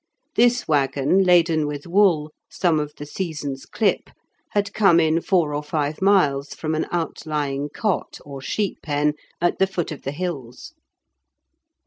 This waggon, laden with wool, some of the season's clip, had come in four or five miles from an out lying cot, or sheep pen, at the foot of the hills.